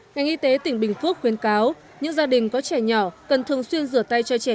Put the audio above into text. ngành y tế tỉnh bình phước khuyến cáo những gia đình có trẻ nhỏ cần thường xuyên rửa tay cho trẻ